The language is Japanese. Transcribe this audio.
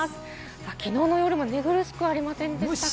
きのうの夜も寝苦しくありませんでしたか？